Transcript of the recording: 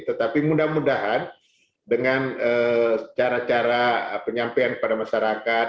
tetapi mudah mudahan dengan cara cara penyampaian kepada masyarakat